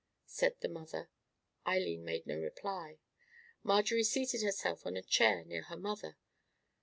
said the mother. Eileen made no reply. Marjorie seated herself on a chair near her mother.